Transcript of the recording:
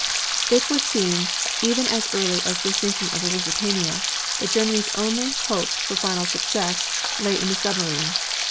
It was seen even as early as the sinking of the Lusitania that Germany's only hope for final success lay in the submarine.